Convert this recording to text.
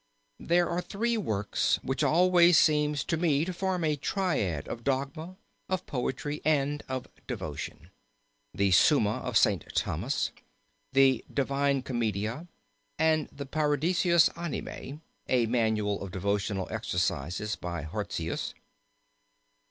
"There are three works which always seem to me to form a triad of Dogma, of Poetry, and of Devotion, The Summa of St. Thomas, The Divina Commedia, and the Paradisus Animae (a manual of devotional exercises by Horstius).